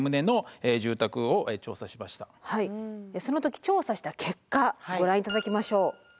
その時調査した結果ご覧いただきましょう。